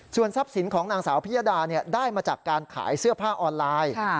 ส่วนทรัพย์สินของนางสาวพิยดาได้มาจากการขายเสื้อผ้าออนไลน์